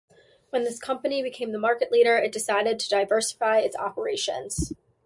When this company became the market leader it decided to diversify its operations.